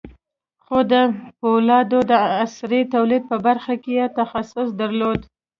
خو د پولادو د عصري تولید په برخه کې یې تخصص درلود